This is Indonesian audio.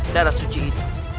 darah suci itu